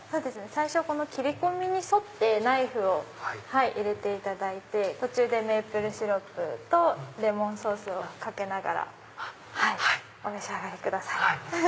最初切り込みに沿ってナイフを入れていただいて途中でメープルシロップとレモンソースをかけながらお召し上がりください。